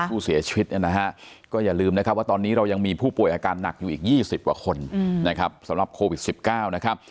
ผู้เสียชีวิตเนี่ยนะฮะก็อย่าลืมนะครับว่าตอนนี้เรายังมีผู้ป่วยอาการหนักอยู่อีก๒๐กว่าคนนะครับสำหรับโควิด๑๙นะครับ